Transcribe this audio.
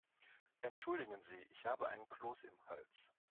Entschuldigen Sie, ich habe einen Kloß im Hals.